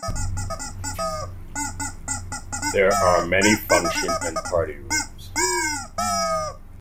There are many function and party rooms.